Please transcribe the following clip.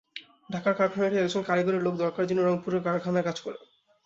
ঢাকার কারখানাটির একজন কারিগরি লোক দরকার, যিনি রংপুরের কারখানায় কাজ করেন।